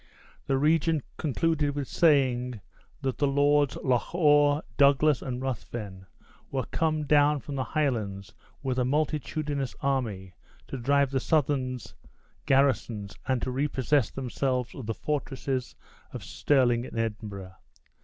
The regent concluded with saying, "that the Lords Loch awe, Douglas, and Ruthven were come down from the Highlands with a multitudinous army, to drive out the Southron garrisons, and to repossess themselves of the fortresses of Stirling and Edinburgh.